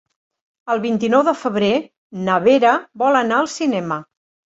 El vint-i-nou de febrer na Vera vol anar al cinema.